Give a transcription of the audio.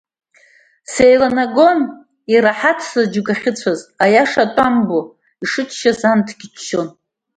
Сеиланагон ираҳаҭӡа џьоук ахьыцәаз, аиаша атәамбо, ишыччац анҭгьы ччон.